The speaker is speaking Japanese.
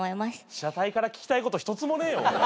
被写体から聞きたいこと一つもねえよ。